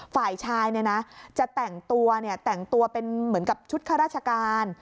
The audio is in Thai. ฝ่ายชายเนี่ยนะจะแต่งตัวแต่งตัวเป็นเหมือนกับชุดข้าราชการ